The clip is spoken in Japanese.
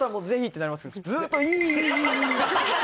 ずっと「いいいい！」。